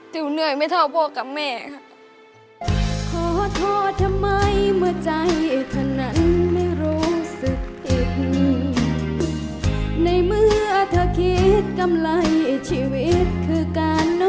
เหนื่อยไม่เท่าพ่อกับแม่ค่ะ